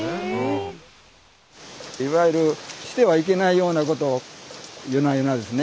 いわゆるしてはいけないようなことを夜な夜なですね